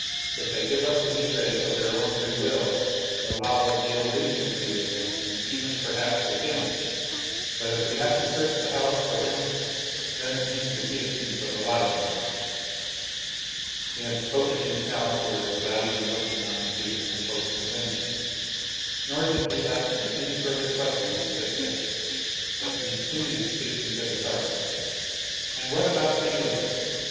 "If they give up Lenegre of their own free will the law will deal leniently with them, and even perhaps with him. But if we have to search the house for him, then it means the guillotine for the lot of them." He had spoken these callous words without even looking on the two unfortunate women; nor did he ask them any further questions just then, but continued speaking to the sergeant: "And what about the Englishman?